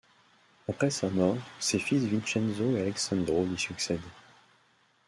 Après sa mort, ses fils Vicenzo et Alessandro lui succèdent.